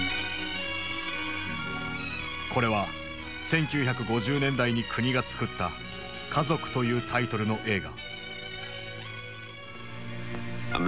これは１９５０年代に国が作った「家族」というタイトルの映画。